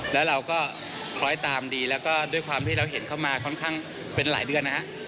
แล้วเราก็คล้อยตามดีแล้วก็ด้วยความที่เราเห็นเข้ามาค่อนข้างเป็นหลายเดือนนะฮะ